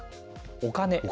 お金。